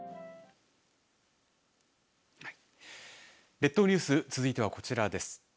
列島ニュース続いてはこちらです。